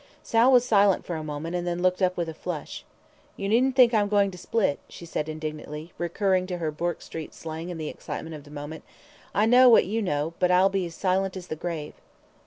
Sal was silent for a moment, and then looked up with a flush. "You needn't think I'm going to split," she said, indignantly, recurring to her Bourke Street slang in the excitement of the moment. "I know what you know, but I'll be as silent as the grave."